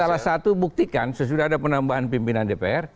salah satu buktikan sesudah ada penambahan pimpinan dpr